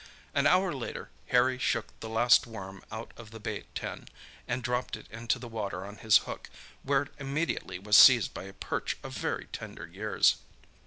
An hour later Harry shook the last worm out of the bait tin and dropped it into the water on his hook, where it immediately was seized by a perch of very tender years.